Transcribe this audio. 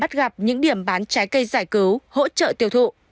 bắt gặp những điểm bán trái cây giải cứu hỗ trợ tiêu thụ